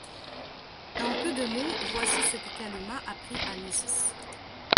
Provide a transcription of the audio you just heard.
En peu de mots, voici ce que Kalumah apprit à Mrs.